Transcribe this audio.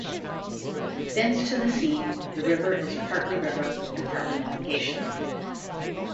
Thence to the sea, the river is partly river and partly navigation.